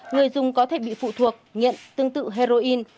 người dùng có thể bị phụ thuộc nhiện tương tự heroin